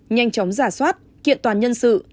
nhanh chóng giả soát kiện toàn nhân sự